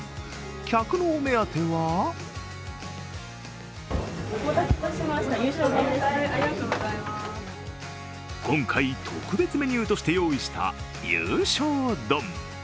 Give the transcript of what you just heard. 客のお目当ては今回、特別メニューとして用意した優勝丼。